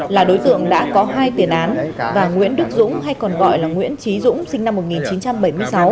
là đối tượng đã có hai tiền án và nguyễn đức dũng hay còn gọi là nguyễn trí dũng sinh năm một nghìn chín trăm bảy mươi sáu